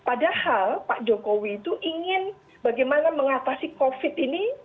padahal pak jokowi itu ingin bagaimana mengatasi covid ini